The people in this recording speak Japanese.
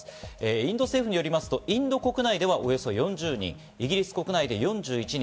インド政府によるとインド国内でおよそ４０人、イギリス国内で４１人。